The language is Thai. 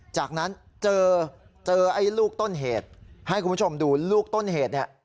จากนั้นเจอเจอไอ้ลูกต้นเหตุให้คุณผู้ชมดูลูกต้นเหตุเนี่ย